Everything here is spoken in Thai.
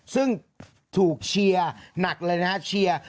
ซึ่งถูกเชียร์หนักเลยนะฮะเชียร์